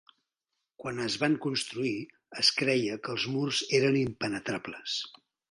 Quan es van construir, es creia que els murs eren impenetrables.